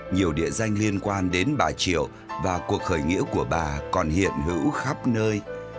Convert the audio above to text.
nhiều địa danh liên quan đến bà triệu và cuộc khởi nghĩa của bà còn hiện hữu khắp nơi